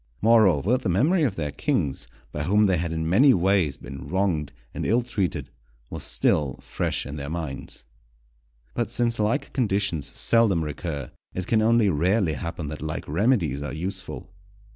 Moreover, the memory of their kings, by whom they had in many ways been wronged and ill treated, was still fresh in their minds. But since like conditions seldom recur, it can only rarely happen that like remedies are useful.